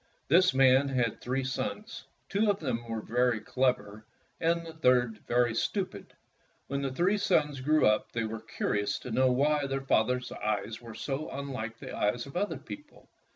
This man had three sons, two of them very clever and the third very stupid. When these sons grew up, they were curious to know why their father's eyes were so unlike the eyes of other people.